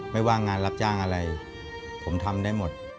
ไม่ว่างานรับจ้างอะไรผมทำได้หมด